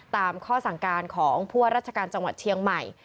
ตามข้อสั่งการของผู้ว่าราชการจังหวัดเชียงใหม่